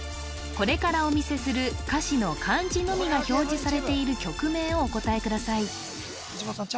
これからお見せする歌詞の漢字のみが表示されている曲名をお答えください藤本さん